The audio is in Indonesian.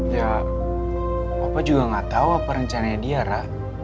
ya papa juga gak tahu apa rencana dia ra